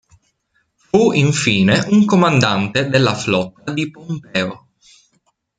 Fu infine un comandante della flotta di Pompeo.